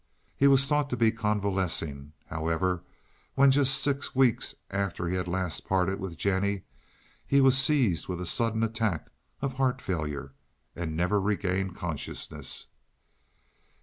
He was thought to be convalescing, however, when just six weeks after he had last parted with Jennie, he was seized with a sudden attack of heart failure and never regained consciousness.